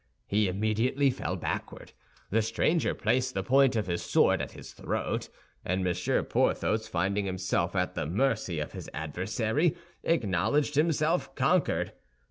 He immediately fell backward. The stranger placed the point of his sword at his throat; and Monsieur Porthos, finding himself at the mercy of his adversary, acknowledged himself conquered.